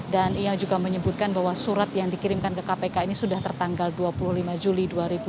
dan ia juga menyebutkan bahwa surat yang dikirimkan ke kpk ini sudah tertanggal dua puluh lima juli dua ribu dua puluh dua